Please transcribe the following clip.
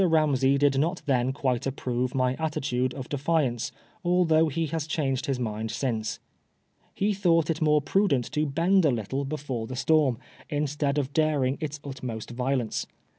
Ramsey did not then quite approve my attitude of defiance, although he has changed his mind since. He AKOTHEE PBOSEGTTTIOir. 57 Uioiiglit it more pnident to bend a little before the stonsxy instead of daring its tvtmost riolence.